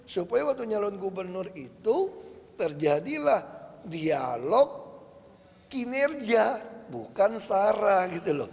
supaya waktu nyalon gubernur itu terjadilah dialog kinerja bukan sarah gitu loh